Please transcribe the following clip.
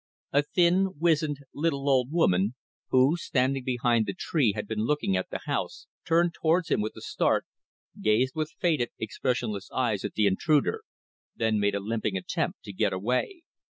A thin, wizened, little old woman, who, standing behind the tree, had been looking at the house, turned towards him with a start, gazed with faded, expressionless eyes at the intruder, then made a limping attempt to get away.